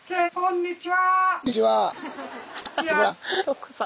こんにちは。